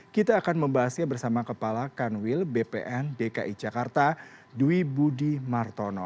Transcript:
kita akan membahasnya bersama kepala kanwil bpn dki jakarta dwi budi martono